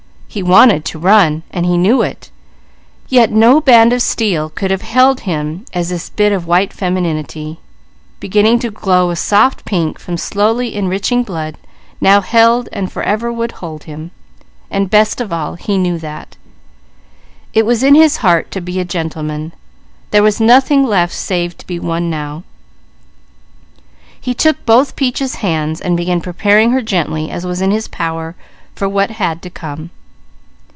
He wanted to run, and he knew it; yet no band of steel could have held him as this bit of white femininity, beginning to glow a soft pink from slowly enriching blood, now held and forever would hold him, and best of all he knew that. It was in his heart to be a gentleman; there was nothing left save to be one now. He took both Peaches' hands, and began preparing her gently as was in his power for what had to come.